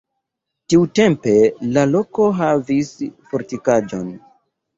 Tiutempe la loko havis fortikaĵon.